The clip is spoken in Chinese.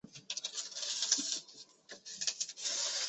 同治元年十一月二十九日被大火将书与楼一并焚毁。